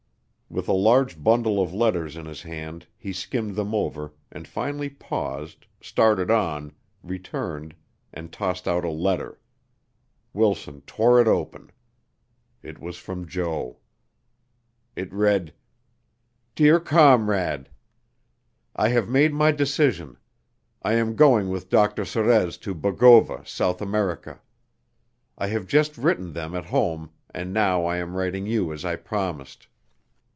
With a large bundle of letters in his hand he skimmed them over and finally paused, started on, returned, and tossed out a letter. Wilson tore it open. It was from Jo. It read: "DEAR COMRADE: I have made my decision I am going with Dr. Sorez to Bogova, South America. I have just written them at home and now I am writing you as I promised.